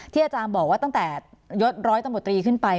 อาจารย์บอกว่าตั้งแต่ยดร้อยตำรวจตรีขึ้นไป